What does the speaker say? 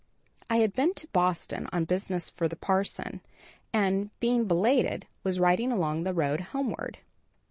I had been to Boston on business for the parson and, being belated, was riding along the road homeward.